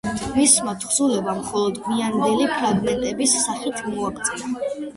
მისმა თხზულებამ მხოლოდ გვიანდელი ფრაგმენტების სახით მოაღწია.